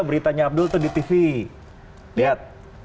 beritanya abdul tuh di tv lihat